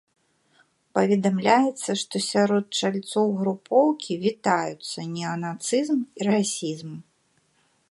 Паведамляецца, што сярод чальцоў групоўкі вітаюцца неанацызм і расізм.